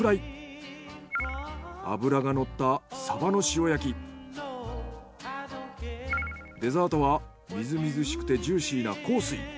脂がのったデザートはみずみずしくてジューシーな幸水。